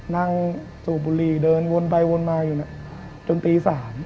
นั่งสูบบุหรี่เดินวนไปวนมาอยู่จนตี๓